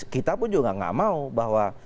kita pun juga nggak mau bahwa